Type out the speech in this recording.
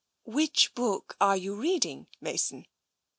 " Which book are you reading, Mason?